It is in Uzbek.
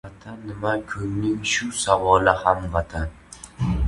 Vatan nima, ko‘ngilning shu savoli ham Vatan